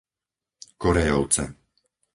Korejovce